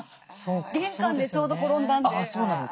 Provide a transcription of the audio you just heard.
玄関でちょうど転んだんで。